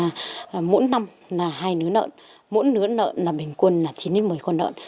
là mỗi năm là hai nứa nợ mỗi nứa nợ là bình quân là chín một mươi con nợ